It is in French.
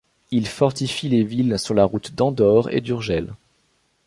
Il fortifie les villes sur la route d’Andorre et d’Urgel.